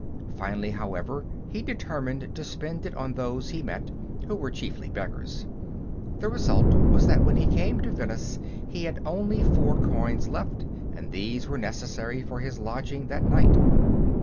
Finally, however, he determined to spend it on those he met, who were chiefly beggars. The result was that when he came to Venice he had only four coins left, and these were necessary for his lodging that night.